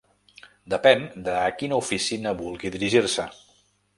Depèn de a quina oficina vulgui dirigir-se.